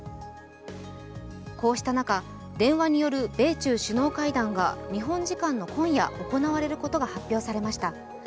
こうした中、電話による米中首脳会談が日本時間の今夜行われることが発表されました。